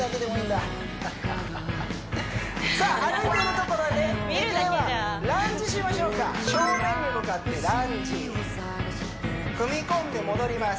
さあ歩いてるところでできればランジしましょうか正面に向かってランジ踏み込んで戻ります